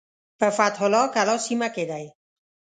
په فتح الله کلا سیمه کې دی.